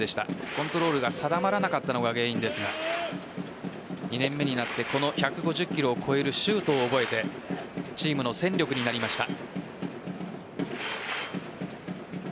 コントロールが定まらなかったのが原因ですが２年目になってこの１５０キロを超えるシュートを覚えてチームの戦力になりました。